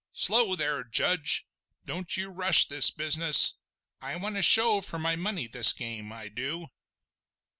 Slow there, Judge! Don't you rush this business! I want a show for my money this game—I du!"